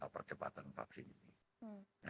percepatan vaksin ini